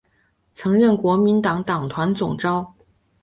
曾任国民党党团总召。